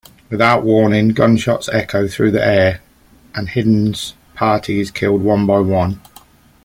Without warning, gunshots echo through the air and Hiden's party is killed one-by-one.